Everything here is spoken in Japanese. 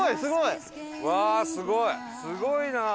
すごいな！